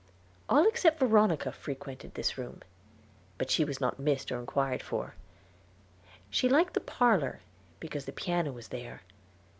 All except Veronica frequented this room; but she was not missed or inquired for. She liked the parlor, because the piano was there.